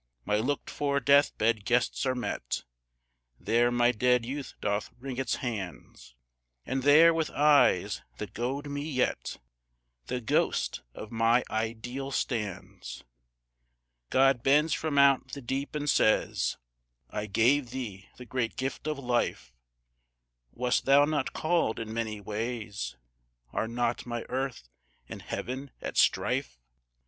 My looked for death bed guests are met; There my dead Youth doth wring its hands, And there, with eyes that goad me yet, The ghost of my Ideal stands! God bends from out the deep and says, "I gave thee the great gift of life; Wast thou not called in many ways? Are not my earth and heaven at strife?